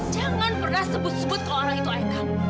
jangan pernah sebut sebut kalau orang itu ayah kamu